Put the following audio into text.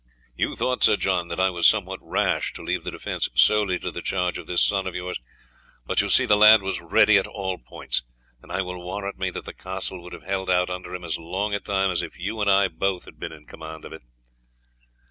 You thought, Sir John, that I was somewhat rash to leave the defence solely to the charge of this son of yours, but you see the lad was ready at all points, and I will warrant me that the castle would have held out under him as long a time as if you and I both had been in command of it."